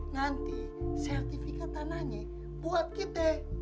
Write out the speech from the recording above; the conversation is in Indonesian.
nanti sertifikat tanahnya buat kita